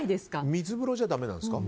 水風呂じゃだめなんですか？